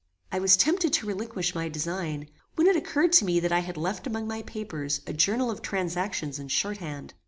I was tempted to relinquish my design, when it occurred to me that I had left among my papers a journal of transactions in shorthand.